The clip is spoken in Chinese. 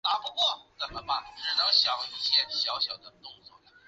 后来他们迁往三重金华街